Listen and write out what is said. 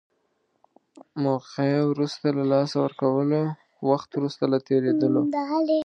موقعه وروسته له لاسه ورکولو، وخت وروسته له تېرېدلو.